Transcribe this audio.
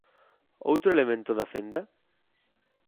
¿Outro elemento da fenda?